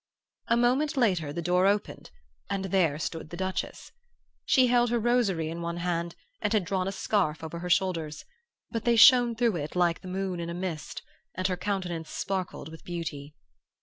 "A moment later the door opened and there stood the Duchess. She held her rosary in one hand and had drawn a scarf over her shoulders; but they shone through it like the moon in a mist, and her countenance sparkled with beauty.